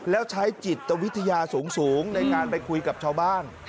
แล้วใช้จิตวิทยาสูงในการไปคุยกับชาวบ้าน